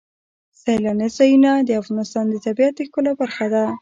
سیلانی ځایونه د افغانستان د طبیعت د ښکلا برخه ده.